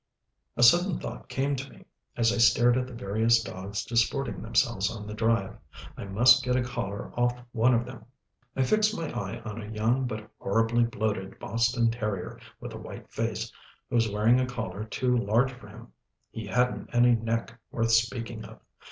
A sudden thought came to me, as I stared at the various dogs disporting themselves on the Drive. I must get a collar off one of them. I fixed my eye on a young but horribly bloated Boston terrier with a white face who was wearing a collar too large for him. He hadn't any neck worth speaking of.